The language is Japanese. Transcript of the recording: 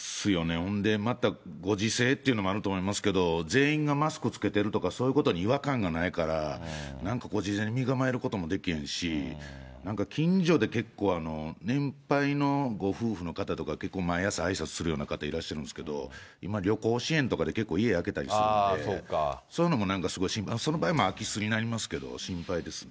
そんでまた、ご時世っていうのもあると思いますけれども、全員がマスク着けてるとか、そういうことに違和感がないから、なんか事前に身構えることもできへんし、なんか近所で結構、年配のご夫婦の方とか結構、毎朝あいさつするような方いらっしゃるんですけど、今旅行支援とかで家空けたりとかしてるんで、そういうのもなんか、その場合も空き巣になりますけど、心配ですね。